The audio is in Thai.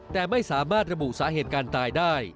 แต่ไม่สามารถระบุสาเหตุการตายได้